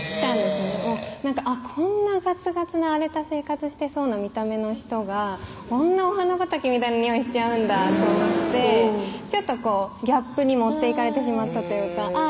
へぇこんなガツガツな荒れた生活してそうな見た目の人がこんなお花畑みたいなにおいしちゃうんだと思ってちょっとギャップに持っていかれてしまったというかあぁ